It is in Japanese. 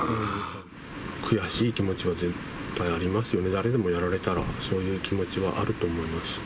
悔しい気持ちは絶対ありますよね、誰でもやられたら、そういう気持ちはあると思います。